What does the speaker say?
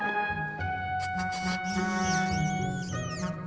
yang saya makan banyak banyak